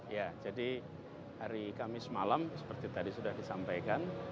ya jadi hari kamis malam seperti tadi sudah disampaikan